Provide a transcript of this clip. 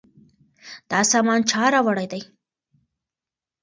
دا سامان چا راوړی دی؟